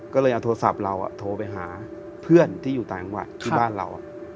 ก็เลยเอาโทรศัพท์เราโทรไปหาเพื่อนที่อยู่ต่างจังหวัดที่บ้านเรา